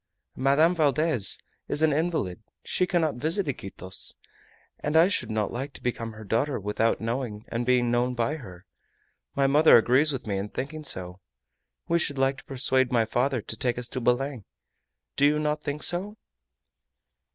Madame Valdez is an invalid; she cannot visit Iquitos, and I should not like to become her daughter without knowing and being known by her. My mother agrees with me in thinking so. We should like to persuade my father to take us to Belem. Do you not think so?"